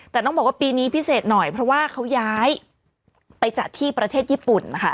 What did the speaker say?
แต่ต้องบอกว่าปีนี้พิเศษหน่อยเพราะว่าเขาย้ายไปจัดที่ประเทศญี่ปุ่นนะคะ